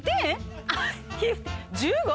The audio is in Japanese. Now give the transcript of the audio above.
１５？